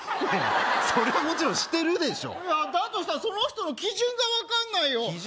いやそれはもちろんしてるでしょだとしたらその人の基準が分かんないよ